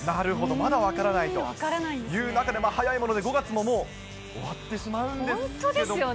まだ分からないという中で、早いもので５月も、もう終わって本当ですよね。